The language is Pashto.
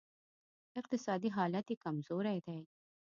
اقتصادي حالت یې کمزوری دی